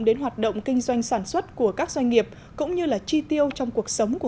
đến hoạt động kinh doanh sản xuất của các doanh nghiệp cũng như là chi tiêu trong cuộc sống của